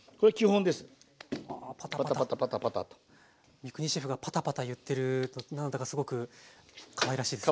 三國シェフがパタパタ言ってると何だかすごくかわいらしいですね。